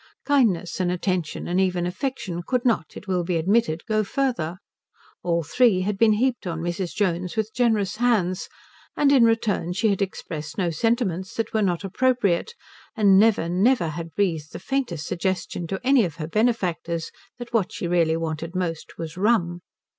Kindness and attention and even affection could not, it will be admitted, go further; all three had been heaped on Mrs. Jones with generous hands; and in return she had expressed no sentiments that were not appropriate, and never, never had breathed the faintest suggestion to any of her benefactors that what she really wanted most was rum.